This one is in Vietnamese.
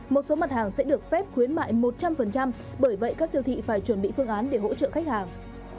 một số mặt hàng sẽ được phép khuyến mại một trăm linh bởi vậy các siêu thị phải chuẩn bị phương án để hỗ trợ khách hàng